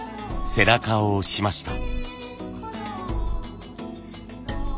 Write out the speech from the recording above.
背中を押しました。